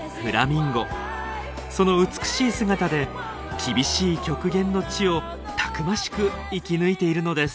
その美しい姿で厳しい極限の地をたくましく生き抜いているのです。